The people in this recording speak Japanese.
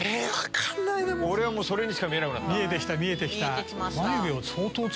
俺はもうそれにしか見えなくなった。